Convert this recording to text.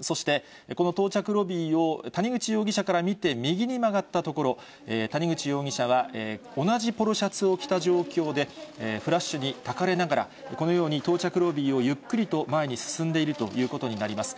そして、この到着ロビーを、谷口容疑者から見て右に曲がったところ、谷口容疑者は同じポロシャツを着た状況で、フラッシュにたかれながら、このように、到着ロビーをゆっくりと前に進んでいるということになります。